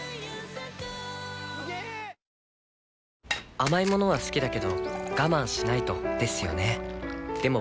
甘い物は好きだけど我慢しないとですよね